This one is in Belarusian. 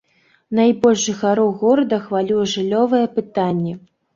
Найбольш жыхароў горада хвалюе жыллёвае пытанне.